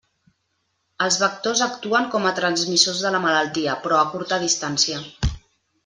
Els vectors actuen com a transmissors de la malaltia però a curta distància.